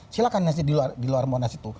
silahkan nasib di luar monas itu